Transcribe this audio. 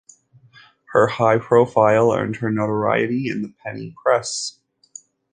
Her high profile earned her notoriety in the penny press.